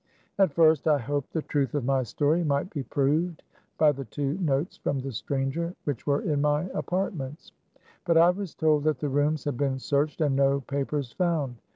At first I hoped the truth of my story might be proved by the two notes from the stranger, which were in my apartments. But I was told that the rooms had been searched and no papers found.